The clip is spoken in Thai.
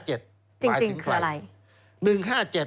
จริงคืออะไร